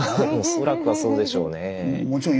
恐らくはそうでしょうね。